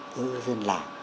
đối với dân làng